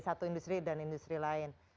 satu industri dan industri lain